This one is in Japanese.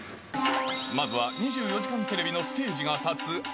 まずは２４時間テレビのステージ